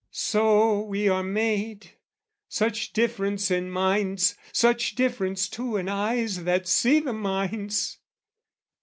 So we are made, such difference in minds, Such difference too in eyes that see the minds!